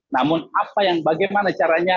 namun bagaimana caranya